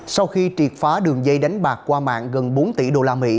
sau khi triệt phá đường dây đánh bạc qua mạng gần bốn tỷ đô la mỹ